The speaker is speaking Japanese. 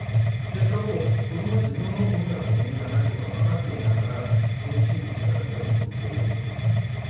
他方、子どもは自分の産んだ子どもじゃないことが分かっていながらその真実から目を背けようとする。